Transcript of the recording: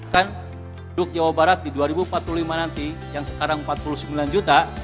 kan untuk jawa barat di dua ribu empat puluh lima nanti yang sekarang empat puluh sembilan juta